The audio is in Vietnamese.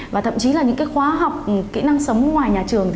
và thậm chí là những cái khóa học kỹ năng sống ngoài nhà trường